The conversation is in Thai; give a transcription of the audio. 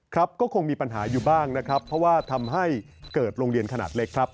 ครับก็คงมีปัญหาอยู่บ้างนะครับเพราะว่าทำให้เกิดโรงเรียนขนาดเล็กครับ